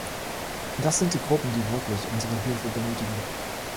Das sind die Gruppen, die wirklich unsere Hilfe benötigen.